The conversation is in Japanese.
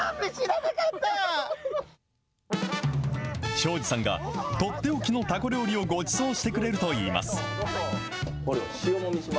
庄司さんが、取って置きのタコ料理をごちそうしてくれるといいます。